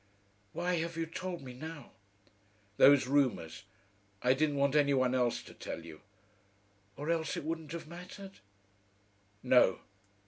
"Why have you told me now?" "Those rumours. I didn't want any one else to tell you." "Or else it wouldn't have mattered?" "No."